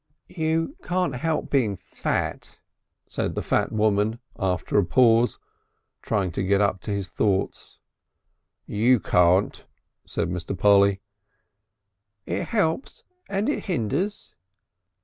"You can't help being fat," said the fat woman after a pause, trying to get up to his thoughts. "You can't," said Mr. Polly. "It helps and it hinders."